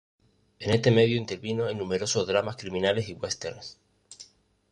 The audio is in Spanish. En este medio intervino en numerosos dramas criminales y westerns.